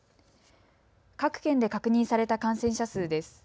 各県で確認された感染者数です。